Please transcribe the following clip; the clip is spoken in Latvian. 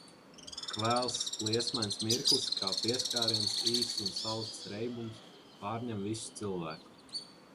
Kvēls liesmains mirklis kā pieskāriens īss un salds reibums pārņem visu cilvēku.